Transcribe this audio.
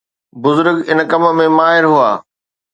بزرگ ان ڪم ۾ ماهر هئا.